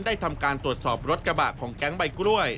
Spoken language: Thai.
ทำการตรวจสอบรถกระบะของแก๊งใบกล้วย